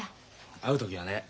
会う時はね。